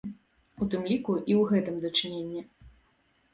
У тым ліку, і ў гэтым дачыненні.